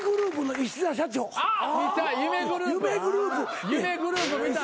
見たい夢グループ見たい。